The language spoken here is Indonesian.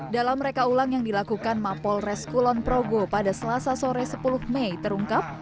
dalam reka ulang yang dilakukan mapolres kulon progo pada selasa sore sepuluh mei terungkap